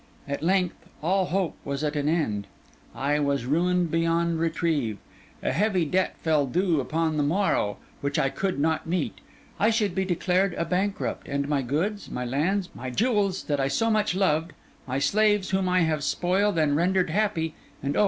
At length, all hope was at an end; I was ruined beyond retrieve; a heavy debt fell due upon the morrow, which I could not meet; I should be declared a bankrupt, and my goods, my lands, my jewels that I so much loved, my slaves whom I have spoiled and rendered happy, and oh!